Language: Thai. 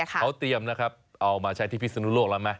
เขาเตรียมเอามาใช้ที่พิษนุโลกแล้วนะ